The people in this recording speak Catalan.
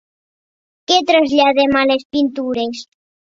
Què traslladem a les pintures?